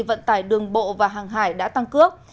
và đường bộ và hàng hải đã tăng cước